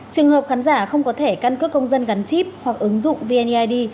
trường hợp khán giả không có thẻ căn cước công dân gắn chip hoặc ứng dụng vneid